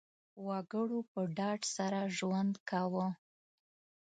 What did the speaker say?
وګړو په ډاډ سره ژوند کاوه.